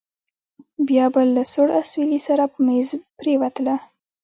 بيا به له سوړ اسويلي سره په مېز پرېوتله.